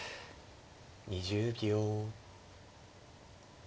２０秒。